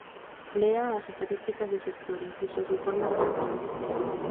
Lea as estatísticas do sector, incluso os informes do sector.